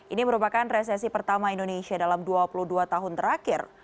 ini merupakan resesi pertama indonesia dalam dua puluh dua tahun terakhir